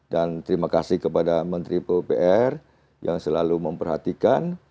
dan terima kasih kepada menteri pupr yang selalu memperhatikan